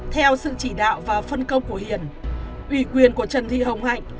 theo sự chỉ đạo và phân công của hiền ủy quyền của trần thị hồng hạnh